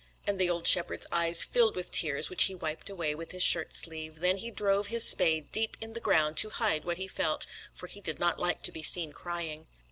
And the old shepherd's eyes filled with tears, which he wiped away with his shirt sleeve, then he drove his spade deep in the ground to hide what he felt, for he did not like to be seen crying.